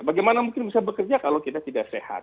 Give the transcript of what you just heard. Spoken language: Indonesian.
bagaimana mungkin bisa bekerja kalau kita tidak sehat